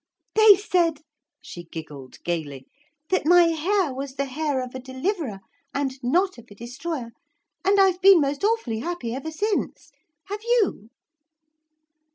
They said,' she giggled gaily, 'that my hair was the hair of a Deliverer and not of a Destroyer, and I've been most awfully happy ever since. Have you?'